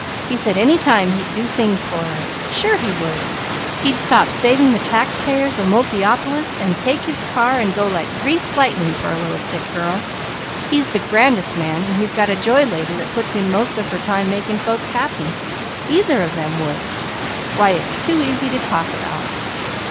He said any time he'd do things for her. Sure he would! He'd stop saving the taxpayers of Multiopolis, and take his car, and go like greased lightning for a little sick girl. He's the grandest man and he's got a Joy Lady that puts in most of her time making folks happy. Either of them would! Why it's too easy to talk about!